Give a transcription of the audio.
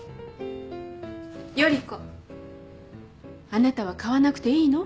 依子あなたは買わなくていいの？